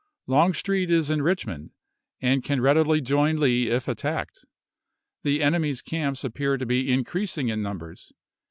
Longstreet is in Richmond, and can readily join Lee if attacked. The enemy's camps appear to be increasing in numbers.